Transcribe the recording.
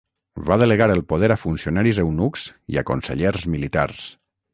Va delegar el poder a funcionaris eunucs i a consellers militars.